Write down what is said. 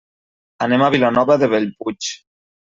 Anem a Vilanova de Bellpuig.